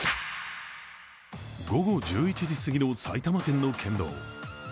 午後１１時すぎの埼玉県の県道。